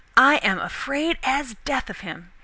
I am afraid as death of him.